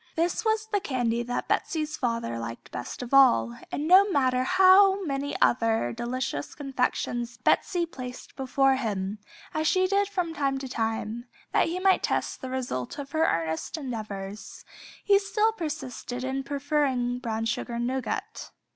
This was the candy that Betsey's father liked best of all, and no matter how many other delicious confections Betsey placed before him, as she did from time to time, that he might test the result of her earnest endeavors, he still persisted in preferring "Brown Sugar Nougat."